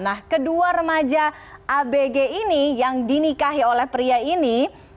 nah kedua remaja abg ini yang dinikahi oleh pria ini